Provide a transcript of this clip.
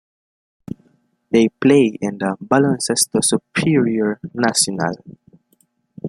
They play in the Baloncesto Superior Nacional.